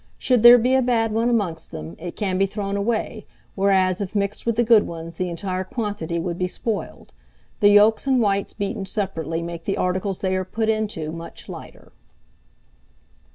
Should there be a bad one amongst them, it can be thrown away; whereas, if mixed with the good ones, the entire quantity would be spoiled. The yolks and whites beaten separately make the articles they are put into much lighter.